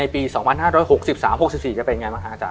พี่บ่ะค่ะ